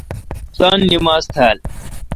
اس کوفتانہ نماز تھال۔